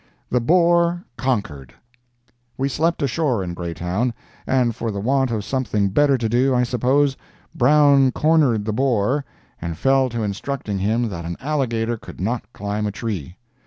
THE BORE CONQUERED We slept ashore in Greytown, and for the want of something better to do, I suppose, Brown cornered the Bore and fell to instructing him that an alligator could not climb a tree.